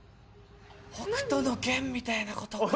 『北斗の拳』みたいなことかな。